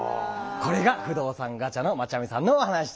これが不動産ガチャのまちゃみさんのお話でした。